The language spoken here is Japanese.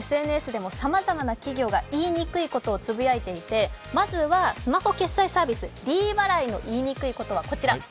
ＳＮＳでもさまざまな企業がいいにくことをつぶやいていて、まずはスマホ決済サービス、ｄ払いのいいにくいことはこちら。